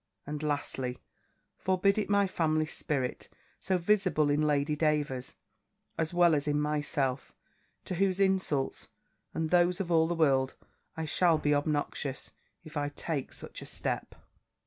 and, lastly, forbid it my family spirit, so visible in Lady Davers, as well as in myself, to whose insults, and those of all the world, I shall be obnoxious, if I take such a step!'